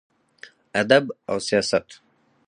ادب او سياست: